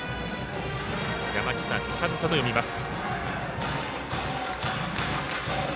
山北一颯と読みます。